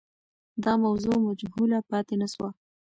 دا موضوع مجهوله پاتې نه سوه.